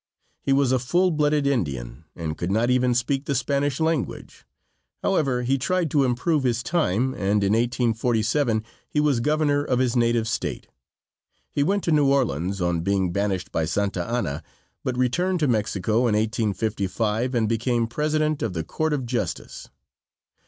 He was a full blooded Indian, and could not even speak the Spanish language. However, he tried to improve his time, and in 1847 he was Governor of his native State. He went to New Orleans, on being banished by Santa Anna, but returned to Mexico in 1855 and became President of the Court of Justice.